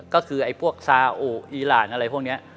ก็คือไอ้พวกซาอุอีหลานอะไรพวกนี้